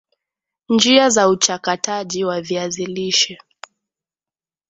Njia za uchakataji wa viazi lishe